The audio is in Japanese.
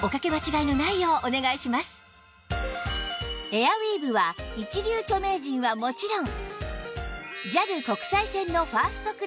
エアウィーヴは一流著名人はもちろん